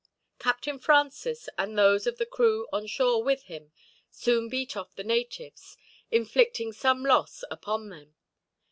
Captain Francis, and those of the crew on shore with him, soon beat off the natives; inflicting some loss upon them.